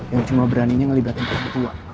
yang cuma beraninya ngelibatin orang tua